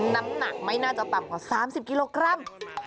น้ำหนักไม่น่าจะต่ำกว่า๓๐กิโลกรัม